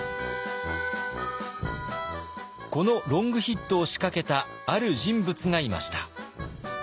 このロングヒットを仕掛けたある人物がいました。